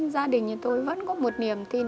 gia đình thì tôi vẫn có một niềm tin